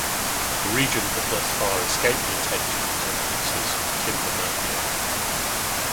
The region has thus far escaped the attentions of Orissa’s timber mafia.